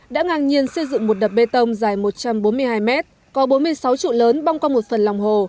đã ngang nhiên xây dựng một đập bê tông dài một trăm bốn mươi hai mét có bốn mươi sáu trụ lớn bong qua một phần lòng hồ